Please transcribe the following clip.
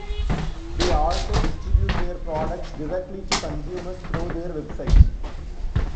They also distribute their products directly to consumers through their website.